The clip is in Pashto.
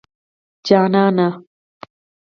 جانانه